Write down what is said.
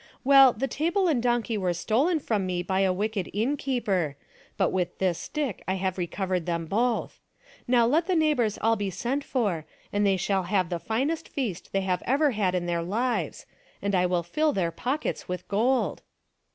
Well, the table and donkey were stolen from me by a wicked innkeeper, but with this stick I have recovered them both. Now let the neigh bors all be sent for and they shall have the finest feast they have ever had in their lives and I will fill their pockets with gold."